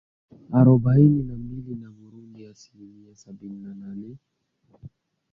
Arobaini na mbili na Burundi asilimia sabini na nane.